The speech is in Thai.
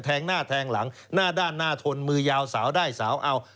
หน้าแทงหลังหน้าด้านหน้าทนมือยาวสาวได้สาวเอา